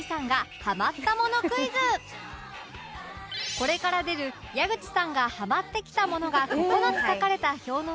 これから出る矢口さんがハマってきたものが９つ書かれた表のうち